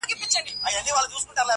نن پر ما، سبا پر تا.